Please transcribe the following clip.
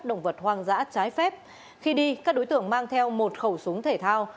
động vật hoang dã trái phép khi đi các đối tượng mang theo một khẩu súng thể thao